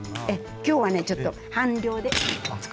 今日はねちょっと半量でつくってます。